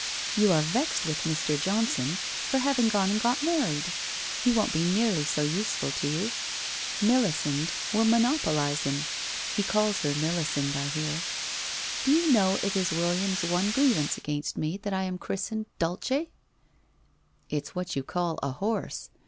You are vexed with Mr. Johnson for having gone and got married; he won't be nearly so useful to you. Melisande will monopolize him. He calls her Melisande, I hear. Do you know it is William's one grievance against me that I am christened Dulce ?'' It's what you call a horse.